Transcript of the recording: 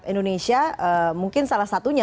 indonesia mungkin salah satunya